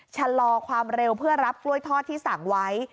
ชะลอความเร็วเพื่อรับกล้วยทอดที่สั่งไว้